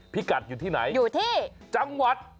พี่กัดอยู่ที่ไหนอยู่ที่จังหวัด